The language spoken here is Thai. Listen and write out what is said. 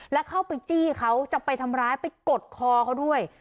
แล้วเข้าไปจี้เขาจะไปทำร้ายไปกดคอเขาด้วย